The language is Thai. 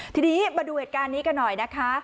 ทีนี้มาดูเหตุการณ์นี้กันหน่อยนะคะ